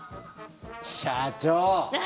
社長！